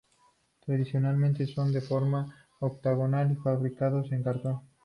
Tradicionalmente, son de forma octogonal y fabricados de cartón.